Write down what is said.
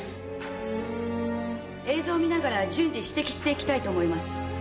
映像を見ながら順次指摘していきたいと思います。